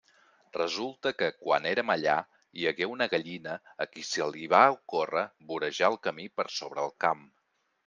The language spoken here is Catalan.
Resulta que, quan érem allà, hi hagué una gallina a qui se li va ocórrer vorejar el camí per sobre el camp.